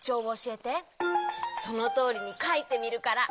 そのとおりにかいてみるから。